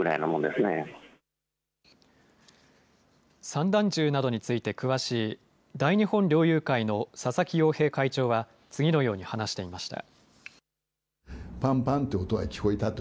散弾銃などについて詳しい大日本猟友会の佐々木洋平会長は次のように話していました。